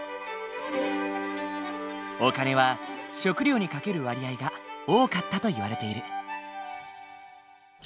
お金は食料にかける割合が多かったといわれている。